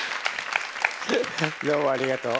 どうもありがとう。